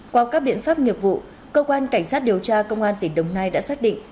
qua các biện pháp nghiệp vụ cơ quan cảnh sát điều tra công an tỉnh đồng nai đã xác định